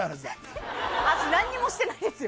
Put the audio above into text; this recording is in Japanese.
私、何もしてないですよ。